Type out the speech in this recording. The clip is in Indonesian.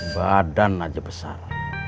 badan aja besar